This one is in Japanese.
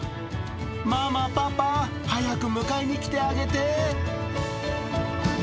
ママ、パパ、早く迎えに来てあげて。